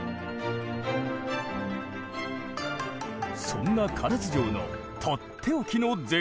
そんな唐津城のとっておきの絶景がこちら。